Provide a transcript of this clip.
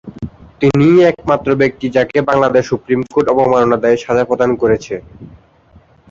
তিনিই একমাত্র ব্যক্তি যাকে বাংলাদেশ সুপ্রিম কোর্ট অবমাননার দায়ে সাজা প্রদান করেছে।